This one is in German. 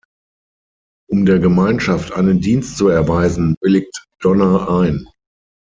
Um der Gemeinschaft einen Dienst zu erweisen, willigt Donna ein.